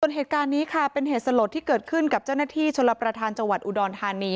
ส่วนเหตุการณ์นี้ค่ะเป็นเหตุสลดที่เกิดขึ้นกับเจ้าหน้าที่ชลประธานจังหวัดอุดรธานี